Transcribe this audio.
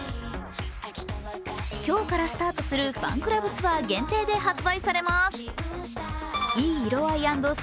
今日からスタートするファンクラブツー限定で発売されます。